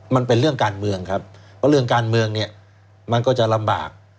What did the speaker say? มันเป็นเรื่องการเมืองครับเพราะเรื่องการเมืองเนี่ยมันก็จะลำบาก